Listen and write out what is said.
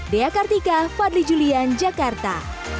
dea kartika fadli julian jakarta